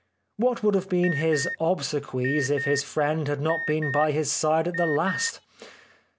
What would have been his obsequies if this friend had not been by his side at the last